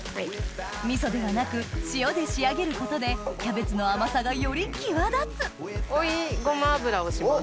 味噌ではなく塩で仕上げることでキャベツの甘さがより際立つ追いごま油をします。